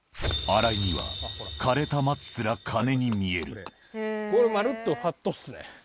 荒井には、枯れた松すら金にこれ、まるっとファットっすね。